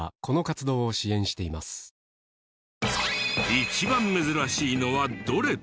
一番珍しいのはどれ？